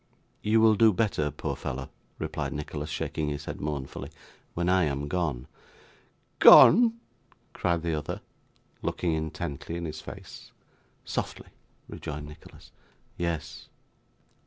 'You will do better, poor fellow,' replied Nicholas, shaking his head mournfully, 'when I am gone.' 'Gone!' cried the other, looking intently in his face. 'Softly!' rejoined Nicholas. 'Yes.